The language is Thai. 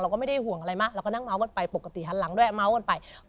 ก็ไม่ได้ห่วงอะไรมากเราก็นั่งเมาส์กันไปปกติหันหลังด้วยเมาส์กันไป